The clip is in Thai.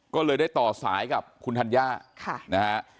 ก็เลยได้ต่อสายกับคุณธัญญานะฮะ